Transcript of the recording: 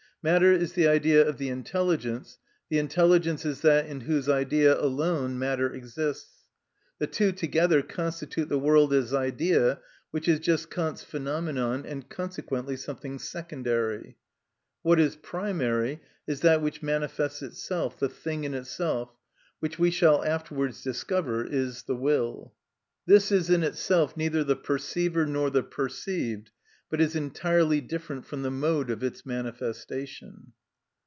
Matter is the idea of the intelligence; the intelligence is that in whose idea alone matter exists. The two together constitute the world as idea, which is just Kant's phenomenon, and consequently something secondary. What is primary is that which manifests itself, the thing in itself, which we shall afterwards discover is the will. This is in itself neither the perceiver nor the perceived, but is entirely different from the mode of its manifestation.